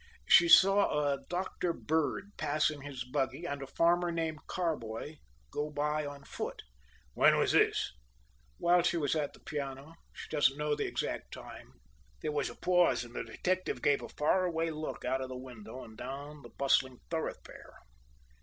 "She saw a Doctor Bird pass in his buggy and a farmer named Carboy go by on foot." "When was this?" "While she was at the piano. She doesn't know the exact time." There was a pause and the detective gave a faraway look out of the window and down the bustling thoroughfare.